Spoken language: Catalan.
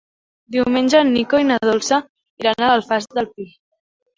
Diumenge en Nico i na Dolça iran a l'Alfàs del Pi.